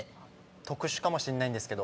特殊かもしんないんですけど。